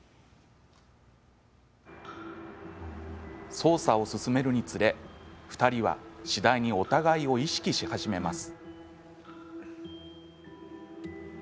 捜査を進めるにつれ２人は次第にお互いを意識し始めます。